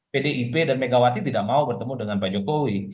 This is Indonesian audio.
pdip dan megawati tidak mau bertemu dengan pak jokowi